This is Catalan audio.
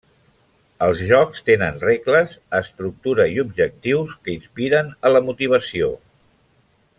Els jocs tenen regles, estructura i objectius que inspiren a la motivació.